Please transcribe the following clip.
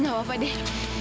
gak apa apa deh